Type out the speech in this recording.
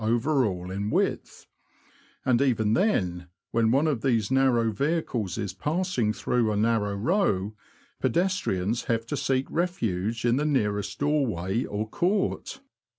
over all in width ; and even then, when one of these narrow vehicles is passing through a narrow row, pedestrians have to seek refuge in the nearest door way or court.